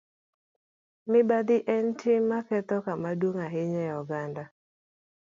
Mibadhi en tim ma ketho kama duong' ahinya e oganda..